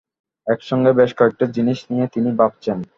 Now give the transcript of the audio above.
একসঙ্গে বেশ কয়েকটা জিনিস নিয়ে তিনি ভাবছেন।